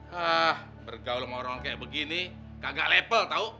hah bergaul orang kayak begini kagak level tau